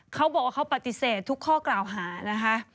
เขาบอกว่าเขาปฏิเสธทุกข้อกล่าวหานะคะ